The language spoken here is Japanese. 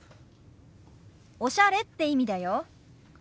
「おしゃれ」って意味だよ。